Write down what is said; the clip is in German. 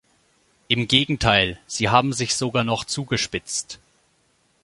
Im Gegenteil, sie haben sich sogar noch zugespitzt.